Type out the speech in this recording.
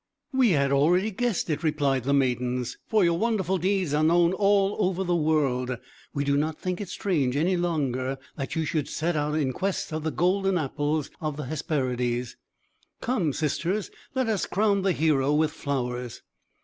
"We had already guessed it," replied the maidens; "for your wonderful deeds are known all over the world. We do not think it strange, any longer, that you should set out in quest of the golden apples of the Hesperides. Come, sisters, let us crown the hero with flowers!"